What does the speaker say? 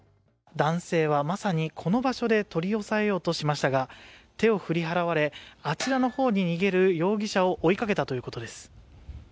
男性はまさにこの場所で取り押さえようとしましたが、手を振り払われ、あちらの方に逃げる容疑者を追いかけたということです。